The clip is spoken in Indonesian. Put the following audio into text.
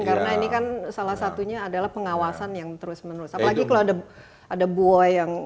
karena ini kan salah satunya adalah pengawasan yang terus menerus lagi kalau ada ada buah yang